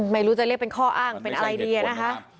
ไม่รู้จะเรียกเป็นข้ออ้างเป็นอะไรดีอะนะคะ